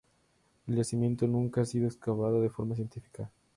El yacimiento nunca ha sido excavado de forma científica.